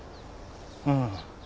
うん。